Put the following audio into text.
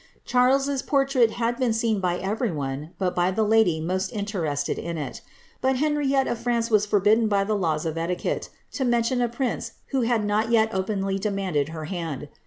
Charleses portrait had been seen by every one but by the lady most in terested in it But Henriette of France was forbidden by the laws of etiquette to mention a prince who had not yet openly demanded her hand.